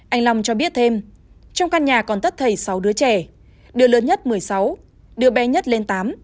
anh long cho biết thêm trong căn nhà còn tất thầy sáu đứa trẻ đứa lớn nhất một mươi sáu đứa bé nhất lên tám